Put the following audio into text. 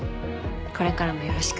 これからもよろしく。